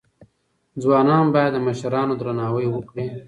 ځوانان باید د مشرانو درناوی وکړي.